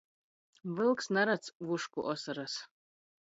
Vylks naradz vušku osorys.